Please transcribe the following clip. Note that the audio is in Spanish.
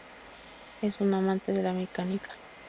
Es un amante de la mecánica.